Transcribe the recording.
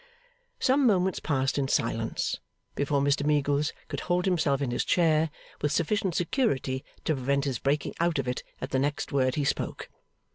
Some moments passed in silence, before Mr Meagles could hold himself in his chair with sufficient security to prevent his breaking out of it at the next word he spoke.